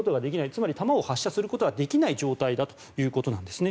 つまり弾を発射することはできない状態なんです。